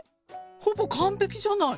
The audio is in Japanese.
ほぼ完璧じゃない。